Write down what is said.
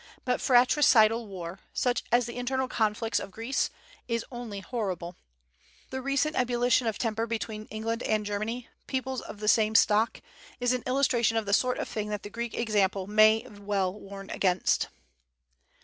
But fratricidal war, such as the internal conflicts of Greece, is only horrible. The recent ebullition of temper between England and Germany, peoples of the same stock, is an illustration of the sort of thing that the Greek example may well warn against.